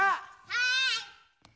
はい！